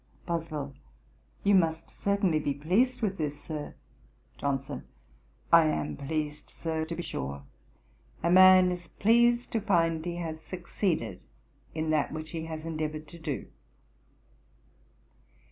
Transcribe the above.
BOSWELL. 'You must certainly be pleased with this, Sir.' JOHNSON. 'I am pleased Sir, to be sure. A man is pleased to find he has succeeded in that which he has endeavoured to do.'